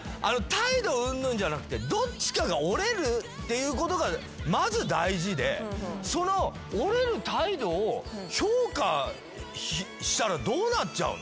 態度うんぬんじゃなくてどっちかが折れるっていうことがまず大事でその折れる態度を評価したらどうなっちゃうの？